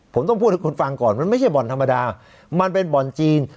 ผมต้องพูดให้คุณฟังก่อนมันไม่ใช่บ่อนธรรมดามันเป็นบ่อนจีน